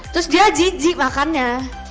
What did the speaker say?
terus dia jijik makannya